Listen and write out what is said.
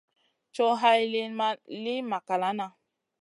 Coh hay lìyn ma li makalana.